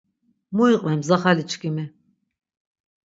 Mu iqven mzaxaliçkimi.